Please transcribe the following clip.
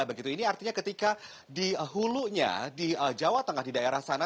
begitu ini artinya ketika di hulunya di jawa tengah di daerah sana